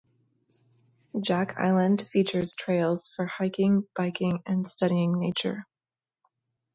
Jack Island features trails for hiking, biking, and studying nature.